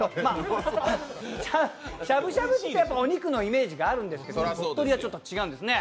しゃぶしゃぶといってもお肉のイメージがあるんですが、鳥取は違うんですね。